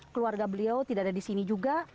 keluarga beliau tidak ada di sini juga